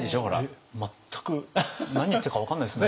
えっ全く何言ってるか分からないですね。